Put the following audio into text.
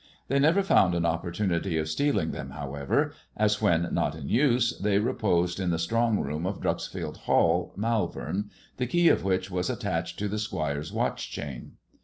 They never found an opportunity of steal j ing them, however, as when not in use they reposed in the ' strong room of Dreuxfield Hall, Malvern, the key of which | was attached to the Squire's watch chain.